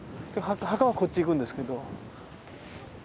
墓はこっち行くんですけど。